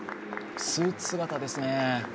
スーツ姿ですね。